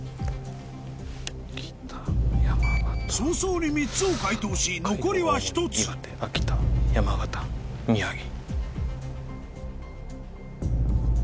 早々に３つを解答し残りは１つ秋田山形宮城。